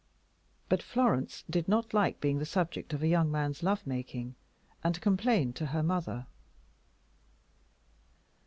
But Florence did not like being the subject of a young man's love making, and complained to her mother.